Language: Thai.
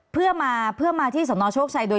เพื่อมาที่ศชนโชคชัย